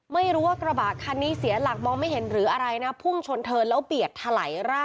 ไม่รู้ว่ากระบะคันนี้เสียหลักมองไม่เห็นหรืออะไรนะ